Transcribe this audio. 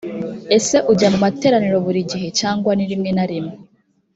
ese ujya mu materaniro buri gihe cyangwa ni rimwe na rimwe‽